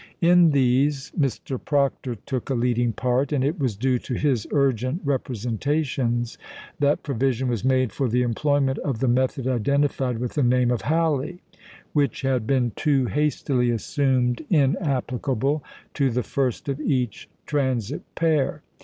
In these Mr. Proctor took a leading part; and it was due to his urgent representations that provision was made for the employment of the method identified with the name of Halley, which had been too hastily assumed inapplicable to the first of each transit pair.